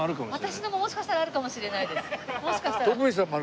私のももしかしたらあるかもしれないです。